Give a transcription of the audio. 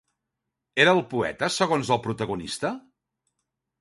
Era el poeta segons el protagonista?